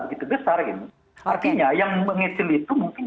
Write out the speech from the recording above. begitu besar ini artinya yang mengecil itu mungkin